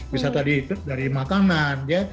bisa tadi dari makanan ya